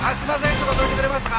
そこどいてくれますか？